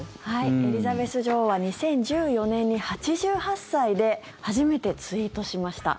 エリザベス女王は２０１４年に８８歳で初めてツイートしました。